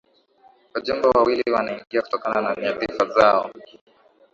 wajumbe wawili wanaingia kutokana na nyadhifa zao